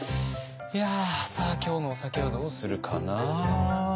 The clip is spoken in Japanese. さあ今日のお酒はどうするかな。